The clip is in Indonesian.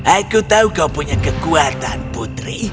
aku tahu kau punya kekuatan putri